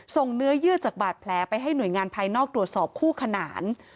เนื้อเยื่อจากบาดแผลไปให้หน่วยงานภายนอกตรวจสอบคู่ขนาน